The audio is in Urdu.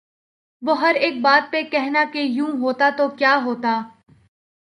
وہ ہر ایک بات پہ کہنا کہ یوں ہوتا تو کیا ہوتا